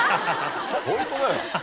ホントだよ。